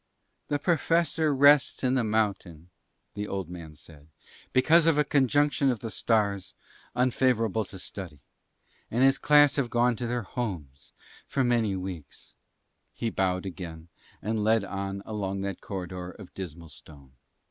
"The Professor rests in his mountain," the old man said, "because of a conjunction of the stars unfavourable to study, and his class have gone to their homes for many weeks." He bowed again and led on along that corridor of dismal stone.